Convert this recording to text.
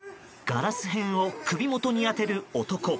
ガラス片を首元に当てる男。